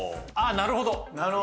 なるほど。